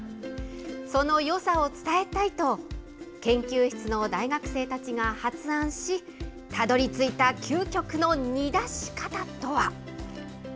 そのよさを伝えたいと、研究室の大学生たちが発案し、たどりついた究極の煮出し方とは。